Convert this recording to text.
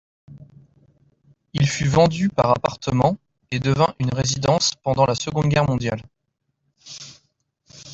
Il fut vendu par appartements et devint une résidence pendant la Seconde guerre mondiale.